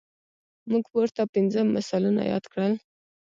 موږ پورته پنځه مثالونه یاد کړل.